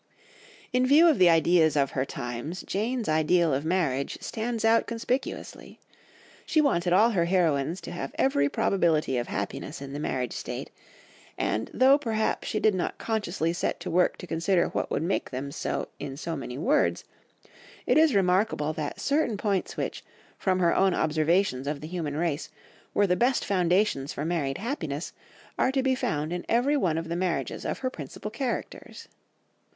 In view of the ideas of her times, Jane's ideal of marriage stands out conspicuously. She wanted all her heroines to have every probability of happiness in the marriage state, and though perhaps she did not consciously set to work to consider what would make them so in so many words, it is remarkable that certain points which, from her own observations of the human race, were the best foundations for married happiness, are to be found in every one of the marriages of her principal characters.